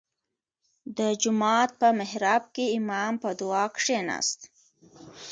• د جومات په محراب کې امام په دعا کښېناست.